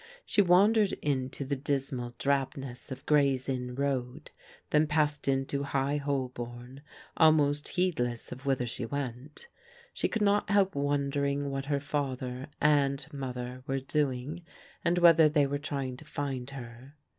She wandered into the dismal drabness of Grays Inn Road, then passed into High Holbom, almost heedless of whither she went. She could not help wondering what her father and mother were doing, and whether they were trying to find her.